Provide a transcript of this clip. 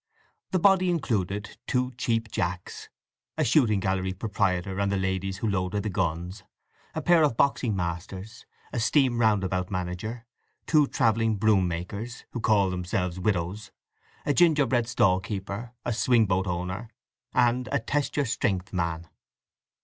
The body included two cheap Jacks, a shooting gallery proprietor and the ladies who loaded the guns, a pair of boxing masters, a steam roundabout manager, two travelling broom makers, who called themselves widows, a gingerbread stall keeper, a swing boat owner, and a "test your strength" man.